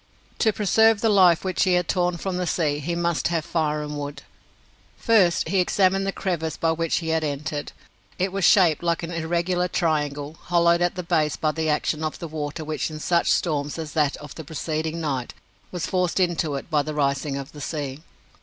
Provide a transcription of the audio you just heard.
To preserve the life which he had torn from the sea, he must have fire and food. First he examined the crevice by which he had entered. It was shaped like an irregular triangle, hollowed at the base by the action of the water which in such storms as that of the preceding night was forced into it by the rising of the sea.